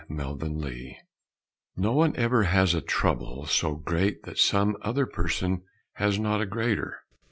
STEADFAST No one ever has a trouble so great that some other person has not a greater.